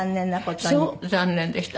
そう残念でした。